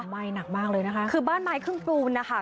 ไหม้หนักมากเลยนะคะคือบ้านไม้ครึ่งปูนนะคะ